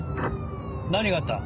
何があった？